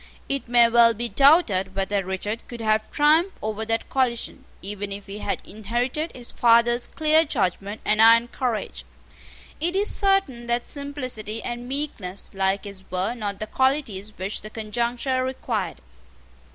It may well be doubted whether Richard could have triumphed over that coalition, even if he had inherited his father's clear judgment and iron courage. It is certain that simplicity and meekness like his were not the qualities which the conjuncture required.